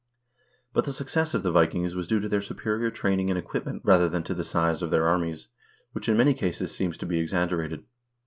But the success of the Vikings was due to their superior training and equipment rather than to the size of their armies, which in many cases seems to be exaggerated.